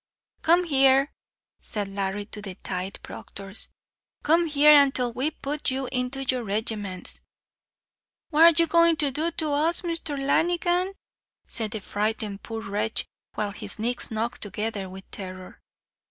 "Come here," said Larry to the tithe proctors; "come here, antil we put you into your regimentals." "What are you goin' to do with us, Mr. Lanigan?" said the frightened poor wretch, while his knees knocked together with terror.